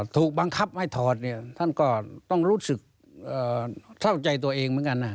ถูกบังคับให้ถอดเนี่ยท่านก็ต้องรู้สึกเข้าใจตัวเองเหมือนกันนะ